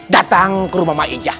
datang ke rumah ma ijah